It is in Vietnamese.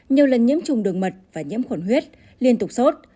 nhiều lần nhiễm trùng đường mật và nhiễm khuẩn huyết liên tục sốt